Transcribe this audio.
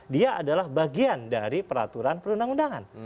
dia adalah bagian dari peraturan perundang undangan